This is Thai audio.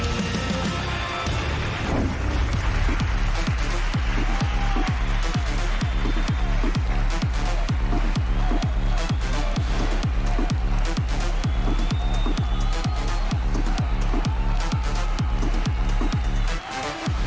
โอ้โฮ